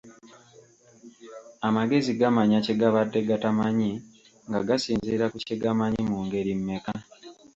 Amagezi gamanya kye gabadde gatamanyi nga gasinziira ku kye gamanyi, mu ngeri mmeka?